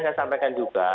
saya sampaikan juga